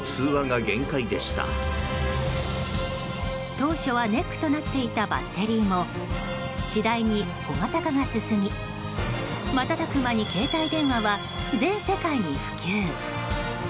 当初はネックとなっていたバッテリーも次第に小型化が進み、瞬く間に携帯電話は全世界に普及。